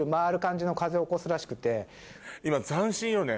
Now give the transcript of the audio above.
今斬新よね。